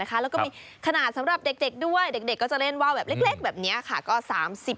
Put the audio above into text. และก็ขนาดสำหรับเด็กอย่างเล็กแบบนี้ต้องได้คลิป